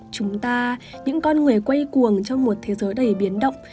chúng ta những con người quay cuồng trong một thế giới đầy biến động